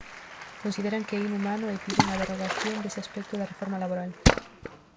Consideran que é inhumano e piden a derrogación dese aspecto da reforma laboral.